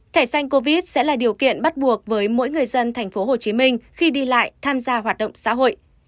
thẻ xanh covid sẽ là điều kiện bắt buộc với mỗi người dân thành phố hồ chí minh khi đi lại tham gia hoạt động xã hội